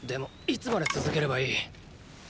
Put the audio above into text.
いつまで続ければいい⁉